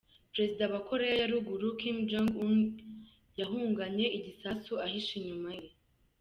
Perezida wa Koreya ya Ruguru, Kim Jong-un yahunganye igisasu ahishe inyuma ye.